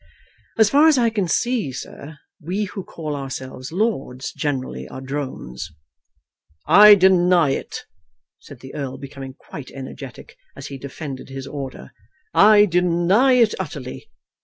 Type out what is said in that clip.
"As far as I can see, sir, we who call ourselves lords generally are drones." "I deny it," said the Earl, becoming quite energetic as he defended his order. "I deny it utterly.